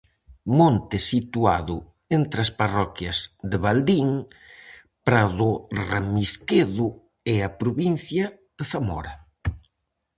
Monte situado entre as parroquias de Valdín, Pradorramisquedo e a provincia de Zamora.